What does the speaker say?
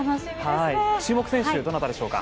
注目選手は誰でしょうか。